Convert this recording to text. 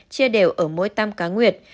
chia đều ở mỗi tăm cá nguyệt